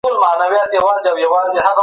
ستاسو ټولنیز ژوند له ښه فکر سره ښه کیږي.